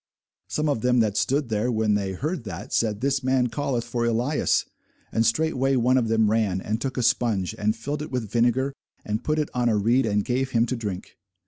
Some of them that stood there, when they heard that, said, This man calleth for Elias. And straightway one of them ran, and took a spunge, and filled it with vinegar, and put it on a reed, and gave him to drink.